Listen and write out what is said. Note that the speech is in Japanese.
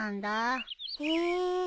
へえ。